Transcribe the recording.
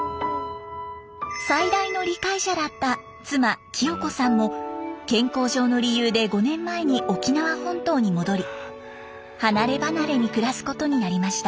最大の理解者だった妻清子さんも健康上の理由で５年前に沖縄本島に戻り離れ離れに暮らすことになりました。